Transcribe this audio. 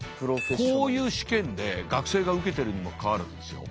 こういう試験で学生が受けてるにもかかわらずですよ